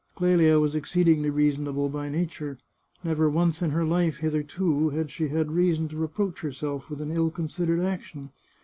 Clelia was exceedingly reasonable by nature ; never once in her life, hitherto, had she had reason to reproach herself with an ill considered action.